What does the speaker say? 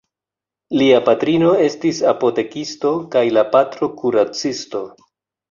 Lia patrino estis apotekisto kaj la patro kuracisto.